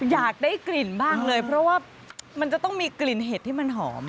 อยากได้กลิ่นบ้างเลยเพราะว่ามันจะต้องมีกลิ่นเห็ดที่มันหอม